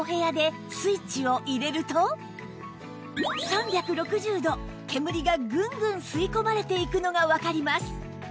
さらに３６０度煙がグングン吸い込まれていくのがわかります